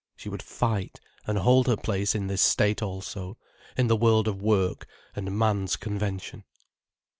She would fight and hold her place in this state also, in the world of work and man's convention.